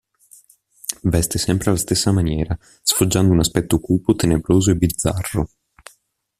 Veste sempre alla stessa maniera, sfoggiando un aspetto cupo, tenebroso e bizzarro.